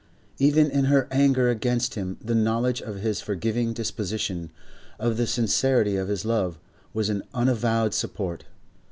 Even in her anger against him, the knowledge of his forgiving disposition, of the sincerity of his love, was an unavowed support.